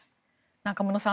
中室さん